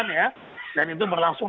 dua ribu delapan ya dan itu berlangsung